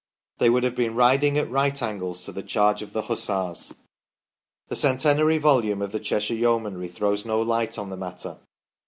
They would have been riding at right angles to the charge of the Hussars. The Centenary Volume of the Cheshire Yeomanry throws no light on the matter.